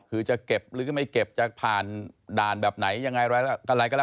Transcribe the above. คือจะเก็บหรือไม่เก็บจะผ่านด่านแบบไหนยังไงอะไรก็แล้ว